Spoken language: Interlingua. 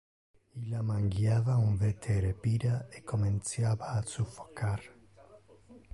Illa mangiava un vetere pira e comenciava a suffocar.